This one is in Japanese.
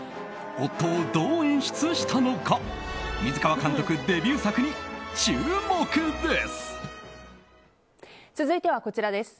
夫をどう演出したのか水川監督デビュー作に注目です。